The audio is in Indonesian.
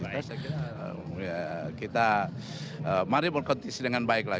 kita saya kira kita mari berkondisi dengan baiklah